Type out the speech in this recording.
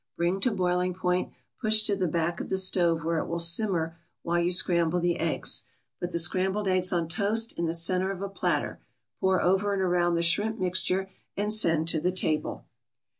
Bring to boiling point, push to the back of the stove where it will simmer while you scramble the eggs. Put the scrambled eggs on toast in the center of a platter, pour over and around the shrimp mixture and send to the table.